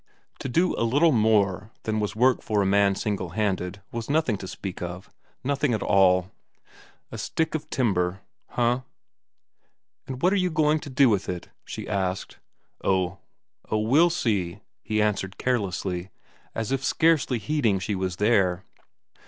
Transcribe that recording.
To do a little more than was work for a man single handed was nothing to speak of nothing at all. A stick of timber huh! "And what are you going to do with it?" she asked. "Oh, we'll see," he answered carelessly, as if scarcely heeding she was there.